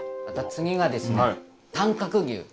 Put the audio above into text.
また次がですね短角牛。